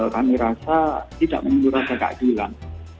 kami rasa tidak menyembuhkan keadilan